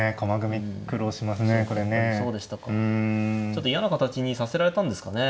ちょっと嫌な形にさせられたんですかね。